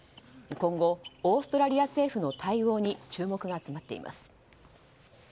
今後オーストラリア政府の対応に注目が集まっています。